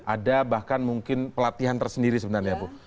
ada bahkan mungkin pelatihan tersendiri sebenarnya bu